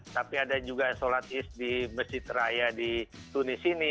tapi ada juga yang sholat id di masjid raya di tunis ini